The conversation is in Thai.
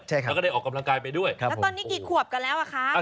ใช่ครับแล้วก็ได้ออกกำลังกายไปด้วยครับแล้วตอนนี้กี่ขวบกันแล้วอ่ะคะ